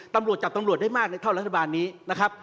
ตำรวจจับตำรวจได้มากในเท่ารัฐบาลนี้นะครับ